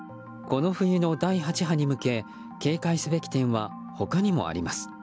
この冬の第８波に向け警戒すべき点は他にもあります。